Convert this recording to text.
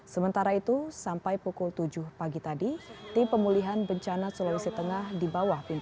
kementerian kominfo juga akan menyiapkan perangkat internet satelit